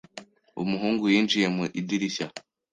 Umuhungu yinjiye mu idirishya.